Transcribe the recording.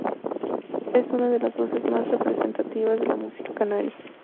Es una de las voces más representativas de la música canaria.